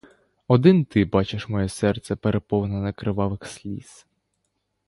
Один ти бачиш моє серце, переповнене кривавих сліз!